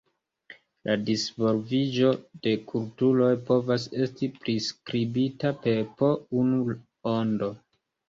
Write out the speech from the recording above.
La disvolviĝo de kulturoj povas esti priskribita per po unu ondo.